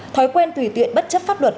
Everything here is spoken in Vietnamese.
thói quen tùy tiện bất chấp pháp luật